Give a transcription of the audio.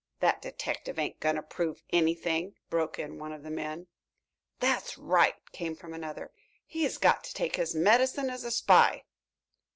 "That detective ain't going to prove anything," broke in one of the men. "That's right," came from another. "He has got to take his medicine as a spy."